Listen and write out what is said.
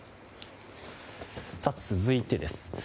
続いてです。